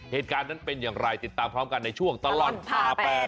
เหตุการณ์นั้นเป็นอย่างไรติดตามพร้อมกันในช่วงตลอดผ่าแปด